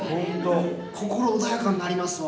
心穏やかになりますわ。